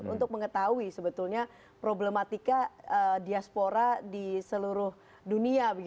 untuk mengetahui sebetulnya problematika diaspora di seluruh dunia